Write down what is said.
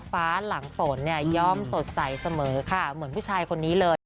ฟ้าหลังฝนเนี่ยย่อมสดใสเสมอค่ะเหมือนผู้ชายคนนี้เลย